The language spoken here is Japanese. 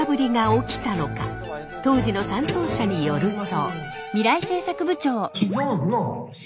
当時の担当者によると。